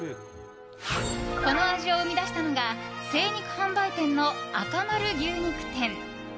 この味を生み出したのが精肉販売店のあかまる牛肉店。